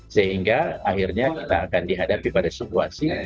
sehingga akhirnya kita akan dihadapi pada situasi